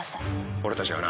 俺たちはな